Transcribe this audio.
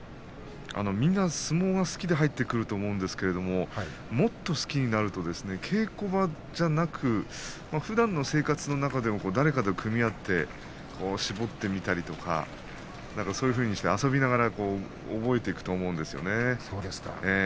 みんな相撲が好きで入ってくると思うんですけれどももっと好きになると稽古場じゃなくてふだんの生活の中でも誰かと組み合って絞ってみたりとかいろいろ遊びながらそうですか。